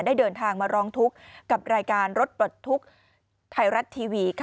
เดินทางมาร้องทุกข์กับรายการรถปลดทุกข์ไทยรัฐทีวี